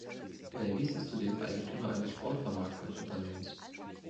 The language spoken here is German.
Davies ist zudem Eigentümer eines Sportvermarktungsunternehmens.